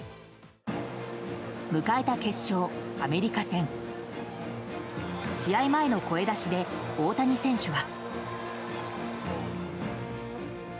迎えた決勝、アメリカ戦。試合前の声出しで大谷選手は。